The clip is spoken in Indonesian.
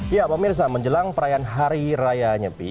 ya pemirsa menjelang perayaan hari raya nyepi